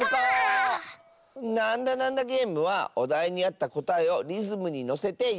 「なんだなんだゲーム」はおだいにあったこたえをリズムにのせていっていくゲームだよ。